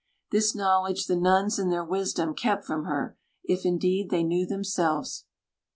This knowledge the nuns, in their wisdom, kept from her if, indeed, they knew themselves.